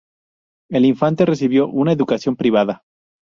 El infante recibió una educación privada.